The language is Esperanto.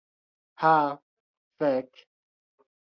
Ha, fek'.